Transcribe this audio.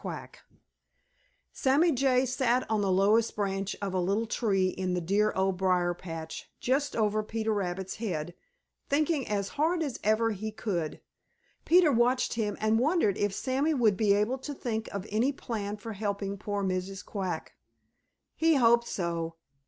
QUACK Sammy Jay sat on the lowest branch of a little tree in the dear Old Briar patch just over Peter Rabbit's head, thinking as hard as ever he could. Peter watched him and wondered if Sammy would be able to think of any plan for helping poor Mrs. Quack. He hoped so.